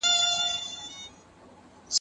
روغتیائي ټولنپوهنه د معالجې په پروسه کي مرسته کوي.